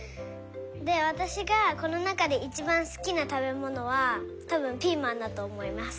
でわたしがこのなかでいちばんすきなたべものはたぶんピーマンだとおもいます。